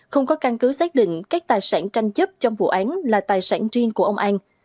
không có căn cứ xác định các tài sản tranh chấp trong vụ án là tài sản riêng của ông an